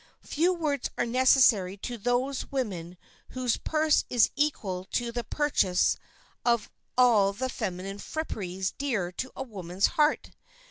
Few words are necessary to those women whose purse is equal to the purchase of all the feminine fripperies dear to a woman's heart.